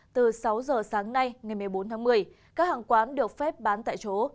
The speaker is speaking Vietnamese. từ sáu giờ sáng nay ngày một mươi bốn tháng một mươi các hàng quán được phép bán tại chỗ